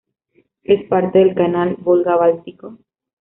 Es parte del canal Volga-Báltico.